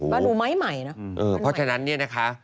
มาดูไม้ใหม่เนอะเออเพราะฉะนั้นเนี่ยนะคะ